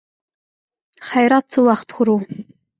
خيرات څه وخت خورو.